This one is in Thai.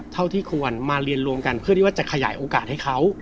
เท่าที่ควรมาเรียนรวมกันเพื่อที่ว่าจะขยายโอกาสให้เขา